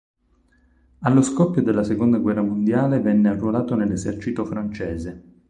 Allo scoppio della seconda guerra mondiale venne arruolato nell'esercito francese.